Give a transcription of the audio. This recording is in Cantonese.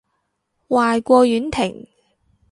壞過婉婷